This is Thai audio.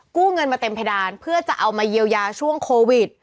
กู้เงินมาเต็มเพดานเพื่อจะเอามาเยียวยาช่วงโควิด